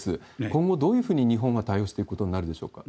今後、どういうふうに日本は対応していくことになるでしょうか？